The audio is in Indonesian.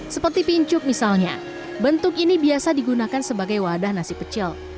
seperti pincuk misalnya bentuk ini biasa digunakan sebagai wadah nasi pecel